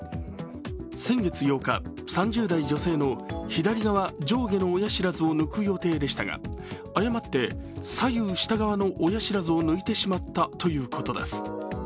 先月８日、３０代女性の左側上下の親知らずを抜く予定でしたが誤って左右下側の親知らずを抜いてしまったということです。